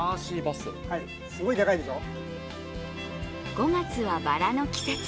５月はバラの季節。